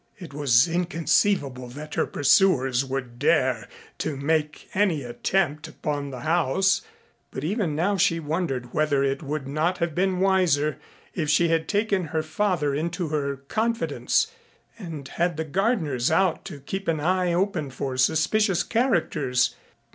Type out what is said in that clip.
It was inconceivable that her pursuers would dare to make any attempt upon the house, but even now she wondered whether it would not have been wiser if she had taken her father into her confidence and had the gardeners out to keep an eye open for suspicious characters.